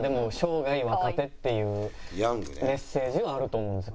っていうメッセージはあると思うんです